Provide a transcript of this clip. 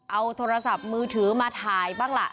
เอาโทรศัพท์มือถือมาถ่ายบ้างล่ะ